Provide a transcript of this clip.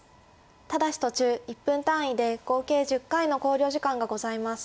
ただし途中１分単位で合計１０回の考慮時間がございます。